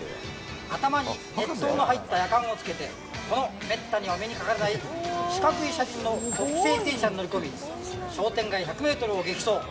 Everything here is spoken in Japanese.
頭に熱湯の入ったやかんをつけて、このめったにお目にかかれない四角い車輪の特製自転車に乗り込み、商店街１００メートルを激走。